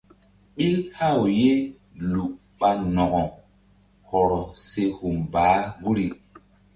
Ɓil haw ye lu ɓa nokk hɔrɔ se hum baah guri.